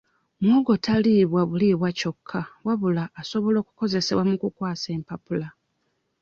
Muwogo taliibwa bulibwa kyokka wabula asobola okukozesebwa mu kukwasa empapula.